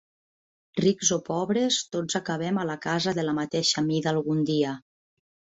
Rics o pobres, tots acabem a la casa de la mateixa mida algun dia.